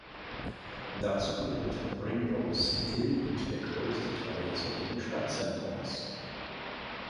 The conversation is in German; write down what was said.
Dazu gehörten Primrose Hill und der größte Teil des heutigen Stadtzentrums.